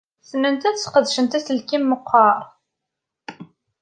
Ssnent ad sqedcent aselkim meqqar?